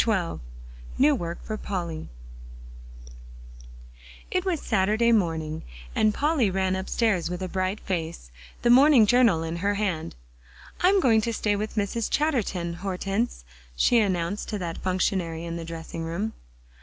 XII NEW WORK FOR POLLY It was Saturday morning, and Polly ran upstairs with a bright face, the morning Journal in her hand. "I'm going to stay with Mrs. Chatterton, Hortense," she announced to that functionary in the dressing room.